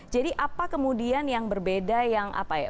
jadi apa kemudian yang berbeda yang apa ya